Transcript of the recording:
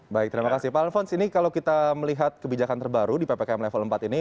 baik terima kasih pak alfons ini kalau kita melihat kebijakan terbaru di ppkm level empat ini